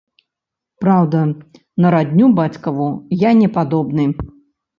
Праўда, на радню бацькаву я не падобны.